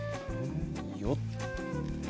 よっ。